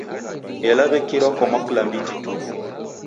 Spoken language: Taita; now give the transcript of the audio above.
Ela w'ekirwa kwa mwaklambiti tu.